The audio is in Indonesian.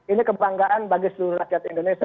ini kebanggaan bagi seluruh rakyat indonesia